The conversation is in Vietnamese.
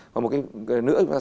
và một cái nữa chúng ta thấy